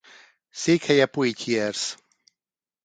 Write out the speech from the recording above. Székhelye Poitiers.